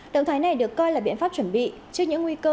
động thái này được coi là biện pháp chuẩn bị trước những nguy cơ